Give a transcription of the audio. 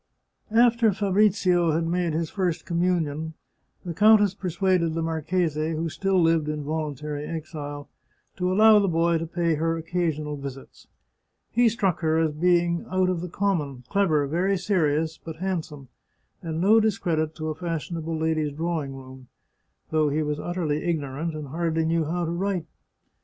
After Fabrizio had made his first communion, the countess persuaded the marchese, who still lived in volun II The Chartreuse of Parma tary exile, to allow the boy to pay her occasional visits. He struck her as being out of the common, clever, very serious, but handsome, and no discredit to a fashionable lady's drawing room — though he was utterly ignorant, and hardly knew how to write.